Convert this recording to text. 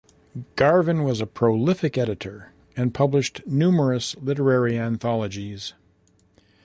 Garvin was a prolific editor and published numerous literary anthologies.